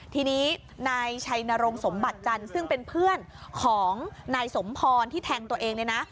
ทีนี้ไนยชายนรงสมบัติจรรย์ซึ่งเป็นเพื่อนของไนยสมภรที่แทงตัวเองเลยน้ะ